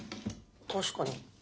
確かに。